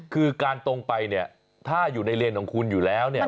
คือการตรงไปเนี่ยถ้าอยู่ในเลนของคุณอยู่แล้วเนี่ย